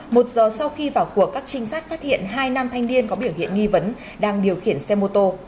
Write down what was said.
một giờ sau khi vào cuộc các trinh sát phát hiện hai nam thanh niên có biểu hiện nghi vấn đang điều khiển xe mô tô